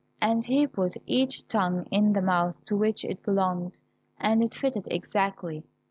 And he put each tongue in the mouth to which it belonged, and it fitted exactly.